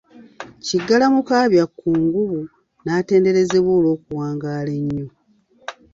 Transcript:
Kiggala Mukaabya Kkungubu n'atenderezebwa olw'okuwangaala ennyo.